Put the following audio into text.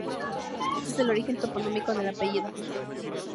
Este es el origen toponímico del apellido.